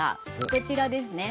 こちらですね。